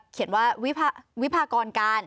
เขียนว่าวิพากรการ